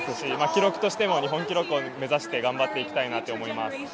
記録としても日本記録を目指して頑張っていきたいなと思います。